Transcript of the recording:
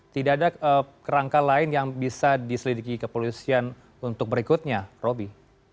tidak ada kerangka lain yang bisa diselidiki kepolisian untuk berikutnya roby